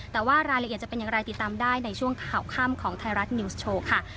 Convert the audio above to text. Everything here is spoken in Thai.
แต่ว่ารายละเอียดจะเป็นอย่างไรติดตามได้ในช่วงข่าวค่ำของไทยรัฐนิวส์โชว์ค่ะ